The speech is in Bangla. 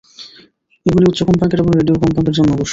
এগুলি উচ্চ কম্পাঙ্ক এবং রেডিও কম্পাঙ্কের জন্য আদর্শ।